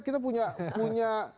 kita punya punya